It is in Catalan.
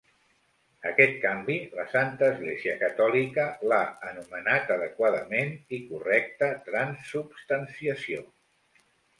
Aquest canvi, la Santa Església Catòlica l'ha anomenat adequadament i correcta transsubstanciació.